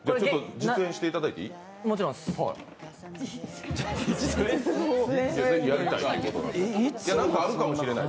実演していただいてもいい？